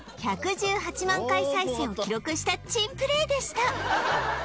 １１８万回再生を記録した珍プレーでした